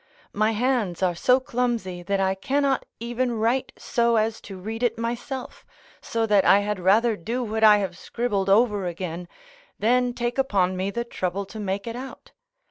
My hands are so clumsy that I cannot even write so as to read it myself, so that I had rather do what I have scribbled over again, than take upon me the trouble to make it out.